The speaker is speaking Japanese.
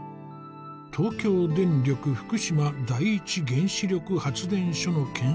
東京電力福島第一原子力発電所の建設が始まった。